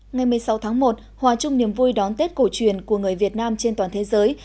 ngày một mươi sáu tháng một hòa chung niềm vui đón tết cổ truyền của người việt nam trên toàn thế giới